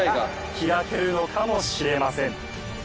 開けるのかもしれません。